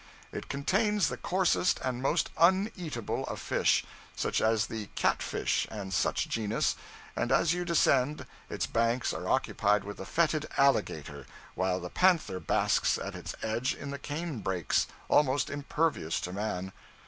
It contains the coarsest and most uneatable of fish, such as the cat fish and such genus, and as you descend, its banks are occupied with the fetid alligator, while the panther basks at its edge in the cane brakes, almost impervious to man.